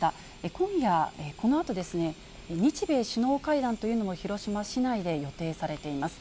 今夜、このあとですね、日米首脳会談というのも広島市内で予定されています。